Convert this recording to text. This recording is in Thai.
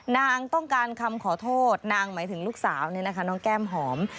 นางต้องการคำขอโทษนางหมายถึงลูกสาวนี่นะคะน้องแก้มหอม